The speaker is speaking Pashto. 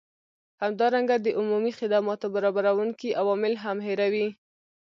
همدارنګه د عمومي خدماتو برابروونکي عوامل هم هیروي